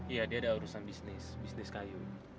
iya dia ada urusan bisnis bisnis kayu